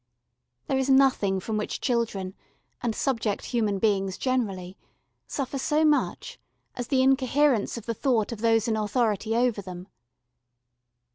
There is nothing from which children, and subject human beings generally, suffer so much as the incoherence of the thought of those in authority over them.